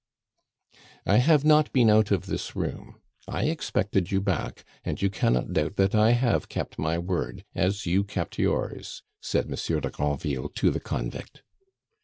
"I have not been out of this room. I expected you back, and you cannot doubt that I have kept my word, as you kept yours," said Monsieur de Granville to the convict.